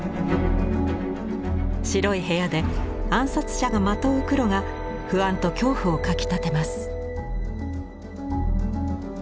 白い部屋で暗殺者がまとう黒が不安と恐怖をかきたてます。